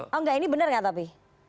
oh enggak ini benar nggak tapi